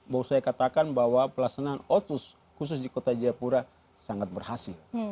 bahwa saya katakan bahwa pelaksanaan otsus khusus di kota jayapura sangat berhasil